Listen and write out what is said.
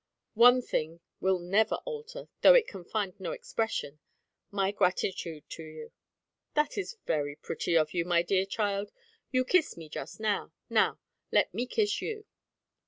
"One thing will never alter, though it can find no expression, my gratitude to you." "That is very pretty of you, my dear child. You kissed me just now. Now let me kiss you."